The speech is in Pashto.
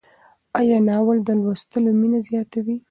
آیا ناول د لوستلو مینه زیاتوي؟